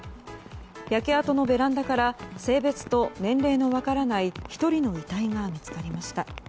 焼け跡のベランダから性別と年齢の分からない１人の遺体が見つかりました。